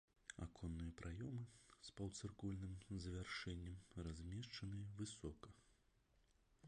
Аконныя праёмы з паўцыркульным завяршэннем размешчаныя высока.